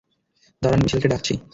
দাঁড়ান মিশেলকে ডাকছি।